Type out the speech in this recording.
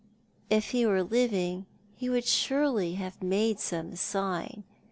If he were living he would surely have made some sign.